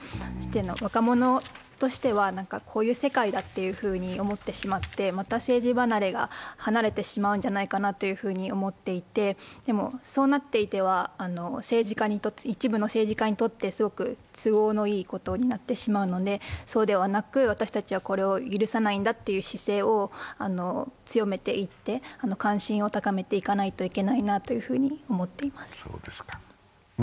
若者としては、こういう世界だというふうに思ってしまって、また政治離れが進んでしまうんじゃないかと思っていて、でも、そうなっていては一部の政治家にとってすごく都合のいいことになってしまうのでそうではなく、私たちはこれを許さないんだという姿勢を強めていって関心を高めていかないといけないなと思っています。